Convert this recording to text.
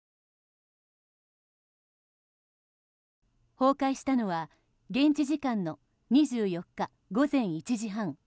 崩壊したのは現地時間の２４日、午前１時半。